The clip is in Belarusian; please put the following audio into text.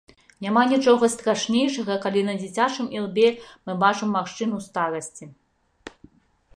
Няма нічога страшнейшага, калі на дзіцячым ілбе мы бачым маршчыну старасці.